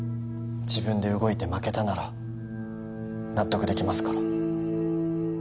自分で動いて負けたなら納得できますから。